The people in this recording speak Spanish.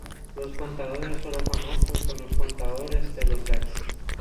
Los contadores sólo famosos son los contadores de los ex".